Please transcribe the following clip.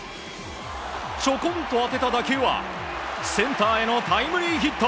ちょこんと当てた打球はセンターへのタイムリーヒット。